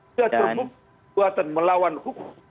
itu adalah perbuatan melawan hukum